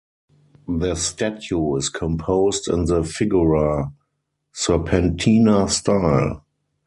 The statue is composed in the figura serpentina style.